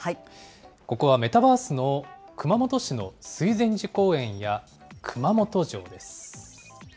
ここはメタバースの熊本市の水前寺公園や、熊本城です。